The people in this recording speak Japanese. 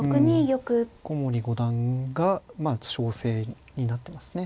うん古森五段が勝勢になってますね。